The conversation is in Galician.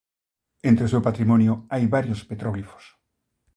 Entre o seu patrimonio hai varios petróglifos.